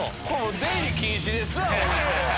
出入り禁止ですわ。